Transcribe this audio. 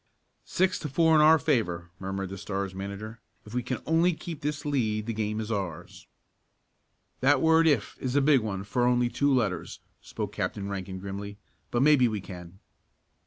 "Six to four in our favor," murmured the Stars' manager. "If we can only keep this lead the game is ours." "That word 'if' is a big one for only two letters," spoke Captain Rankin grimly. "But maybe we can."